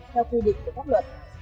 theo quy định của pháp luật